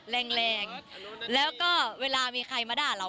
แรงแรงแล้วก็เวลามีใครมาด่าเรา